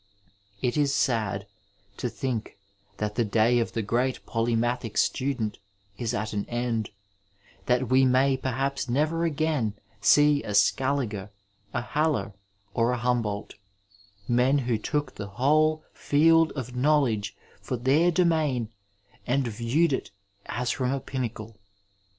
It is sad to think that the day of the great polymathic student is at an end ; that we may, perhaps, never again see a Scaliger, a Haller, or a Humboldt — ^men who took the whole field of knowledge for their domain and viewed it as from a pinnacle.